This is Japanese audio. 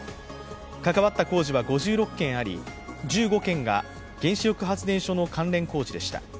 関わった工事は５６件あり、１５件が原子力発電所の関連工事でした。